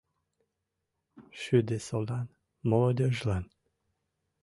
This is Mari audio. Шӱдысолан молодёжлан